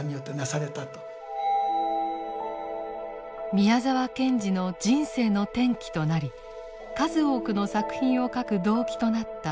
宮沢賢治の人生の転機となり数多くの作品を書く動機となった「法華経」。